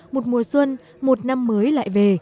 một mùa xuân một năm mới lại về